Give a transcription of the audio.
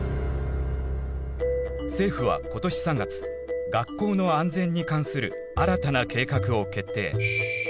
政府は今年３月学校の安全に関する新たな計画を決定。